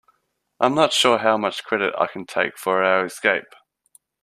I'm not sure how much credit I can take for our escape.